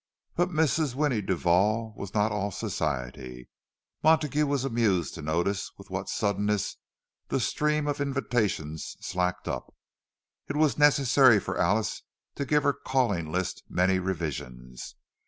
But Mrs. Winnie Duval was not all Society. Montague was amused to notice with what suddenness the stream of invitations slacked up; it was necessary for Alice to give her calling list many revisions.